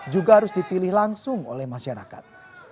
juga harus dipilih langsung oleh masyarakat